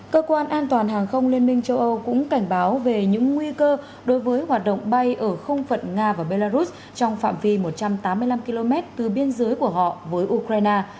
cơ quan an toàn hàng không liên minh châu âu cũng cảnh báo về những nguy cơ đối với hoạt động bay ở không phận nga và belarus trong phạm vi một trăm tám mươi năm km từ biên giới của họ với ukraine